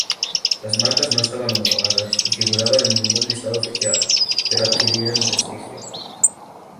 Las marcas no estaban homologadas y figuraban en ningún listado oficial, pero adquirieron prestigio.